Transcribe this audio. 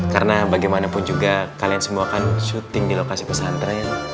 karena bagaimanapun juga kalian semua kan syuting di lokasi pesan ren